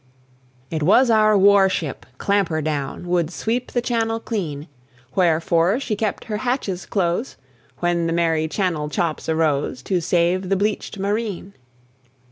(1865 .) It was our war ship Clampherdown Would sweep the Channel clean, Wherefore she kept her hatches close When the merry Channel chops arose, To save the bleached marine.